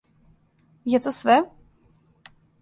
Је то све?